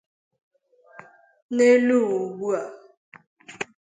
n'elu uwa ugbu a